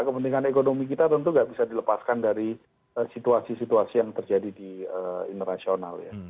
kepentingan ekonomi kita tentu nggak bisa dilepaskan dari situasi situasi yang terjadi di internasional ya